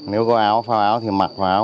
nếu có áo phao áo thì mặc phao áo